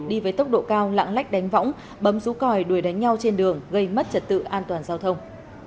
đi với tốc độ cao lạng lách đánh võng bấm rú còi đuổi đánh nhau trên đường gây mất trật tự an toàn giao thông